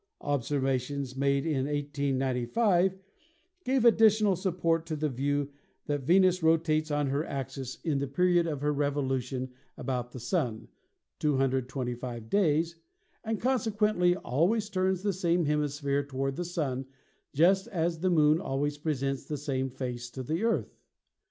Obser vations made in 1895 gave additional support to the view that Venus rotates on her axis in the period of her revolu tion about the Sun (225 days), and consequently always turns the same hemisphere toward the Sun, just as the Moon always presents the same face to the Earth.